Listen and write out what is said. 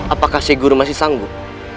apakah si guru masih sanggup